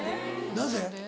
・なぜ？